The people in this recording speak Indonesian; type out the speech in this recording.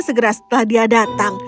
segera setelah dia datang